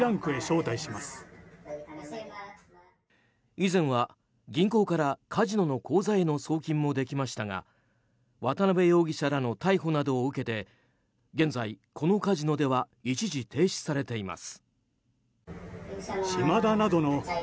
以前は、銀行からカジノの口座への送金もできましたが渡邉容疑者らの逮捕などを受けて現在、このカジノでは一時停止されています。